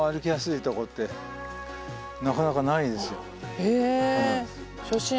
へえ。